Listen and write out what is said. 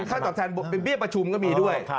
ตอบแทนเป็นเบี้ยประชุมก็มีด้วย